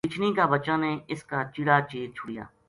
رچھنی کا بَچاں نے اس کا چِڑا چیر چھُڑیا